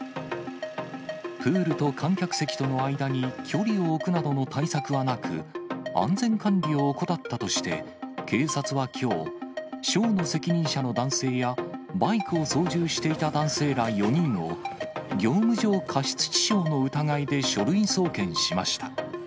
プールと観客席との間に距離を置くなどの対策はなく、安全管理を怠ったとして、警察はきょう、ショーの責任者の男性やバイクを操縦していた男性ら４人を、業務上過失致傷の疑いで書類送検しました。